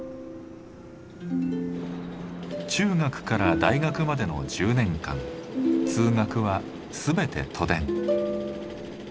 中学から大学までの１０年間通学は全て都電。